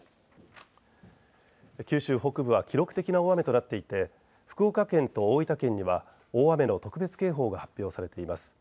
九州北部は記録的な大雨となっていて福岡県と大分県には大雨の特別警報が発表されています。